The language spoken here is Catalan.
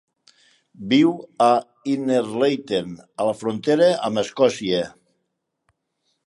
Viu a Innerleithen, a la frontera amb Escòcia.